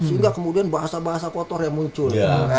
sehingga kemudian bahasa bahasa kotor yang muncul